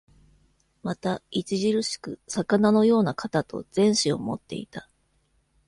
また、著しく魚のような肩と前肢を持っていた。